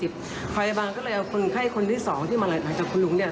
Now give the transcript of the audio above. พยาบาลก็เลยเอาคนไข้คนที่สองที่มาจากคุณลุงเนี่ย